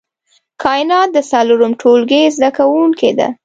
کاينات د څلورم ټولګي زده کوونکې ده